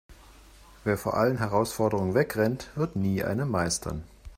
Wer vor allen Herausforderungen wegrennt, wird nie eine meistern.